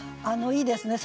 いいですね。